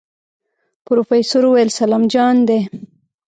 پروفيسر وويل سلام جان دی.